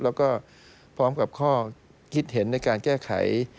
แล้วก็พร้อมกับข้อคิดเห็นในการแก้ไข